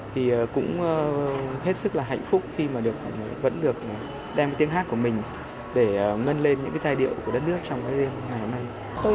thì cũng hết sức là hạnh phúc khi mà được vẫn được đem tiếng hát của mình để ngân lên những cái giai điệu của đất nước trong cái đêm ngày hôm nay